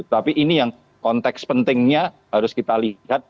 tapi ini yang konteks pentingnya harus kita lihat